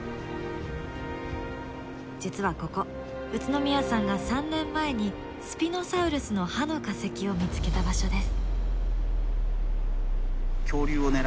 実はここ宇都宮さんが３年前にスピノサウルスの歯の化石を見つけた場所です。